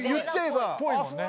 っぽいもんね。